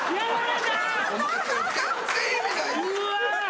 うわ！